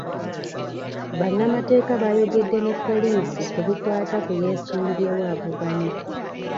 Bannamateeka baayogedde ne poliisi ku bikwata ku yeesimbyewo avuganya.